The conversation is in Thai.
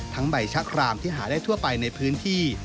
ใบชะครามที่หาได้ทั่วไปในพื้นที่